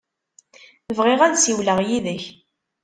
Bɣiɣ ad ssiwleɣ yid-k.